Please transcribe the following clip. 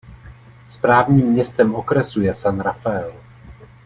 Správním městem okresu je San Rafael.